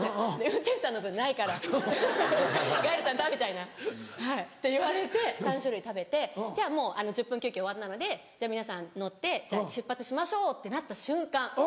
「運転手さんの分ないからガイドさん食べちゃいな」って言われて３種類食べてじゃあもう１０分休憩終わったのでじゃあ皆さん乗って出発しましょうってなった瞬間